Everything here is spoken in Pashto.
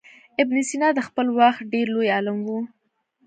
ابن سینا د خپل وخت ډېر لوی عالم و.